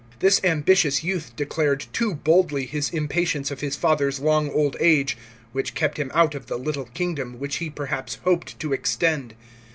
This ambitious youth declared too boldly his impatience of his father's long old age, which kept him out of the little kingdom, which he perhaps hoped to extend.